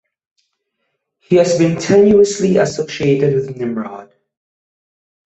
He has been tenuously associated with Nimrod.